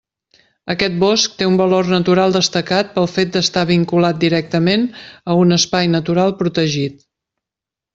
Aquest bosc té un valor natural destacat pel fet d'estar vinculat directament amb un espai natural protegit.